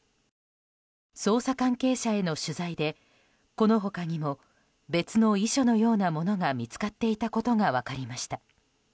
捜査関係者への取材でこの他にも別の遺書のようなものが見つかっていたことが分かりました。